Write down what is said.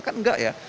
kan enggak ya